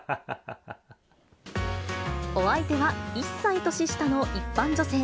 お相手は１歳年下の一般女性。